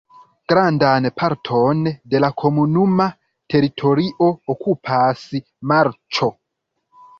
Grandan parton de la komunuma teritorio okupas marĉo.